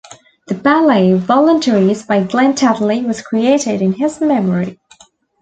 The ballet "Voluntaries" by Glen Tetley was created in his memory.